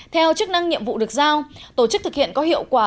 theo chức năng nhiệm vụ được giao tổ chức thực hiện có hiệu quả